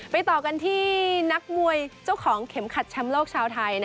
ต่อกันที่นักมวยเจ้าของเข็มขัดแชมป์โลกชาวไทย